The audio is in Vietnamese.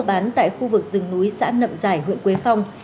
sau mưa bán tại khu vực rừng núi xã nậm giải huyện quế phong